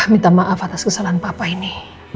minta maaf atas kesalahan papa ini